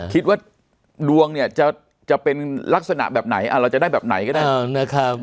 คิดว่าดวงเนี่ยจะเป็นลักษณะแบบไหนเราจะได้แบบไหนก็ได้นะครับ